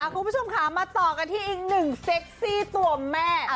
คุณผู้ชมค่ะมาต่อกันที่อีกหนึ่งเซ็กซี่ตัวแม่